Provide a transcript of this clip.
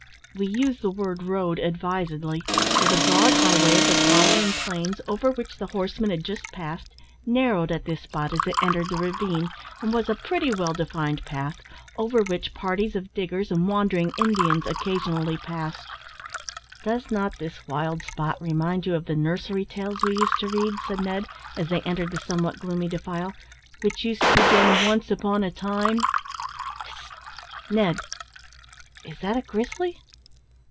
We use the word road advisedly, for the broad highway of the flowering plains, over which the horsemen had just passed, narrowed at this spot as it entered the ravine, and was a pretty well defined path, over which parties of diggers and wandering Indians occasionally passed. "Does not this wild spot remind you of the nursery tales we used to read?" said Ned, as they entered the somewhat gloomy defile, "which used to begin, `Once upon a time '" "Hist, Ned, is that a grizzly?"